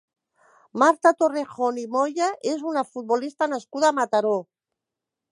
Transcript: Marta Torrejón i Moya és una futbolista nascuda a Mataró.